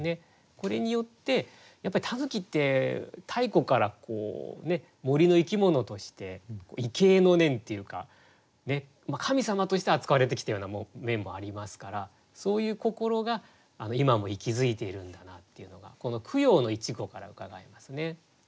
これによってやっぱり狸って太古から森の生き物として畏敬の念っていうか神様として扱われてきたような面もありますからそういう心が今も息づいているんだなっていうのがこの「供養」の一語からうかがえますね。